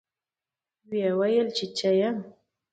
ويې ويل چوچيه.